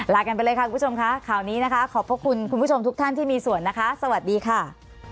ลากันไปเลยค่ะคุณผู้ชมค่ะข่าวนี้นะคะขอบพระคุณคุณผู้ชมทุกท่านที่มีส่วนนะคะสวัสดีค่ะ